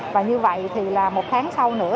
và như vậy thì là một tháng sau nữa